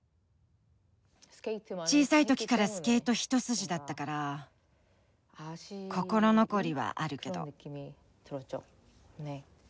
小さい時からスケート一筋だったから心残りはあるけど。